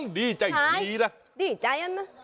ต้องดีใจอย่างนี้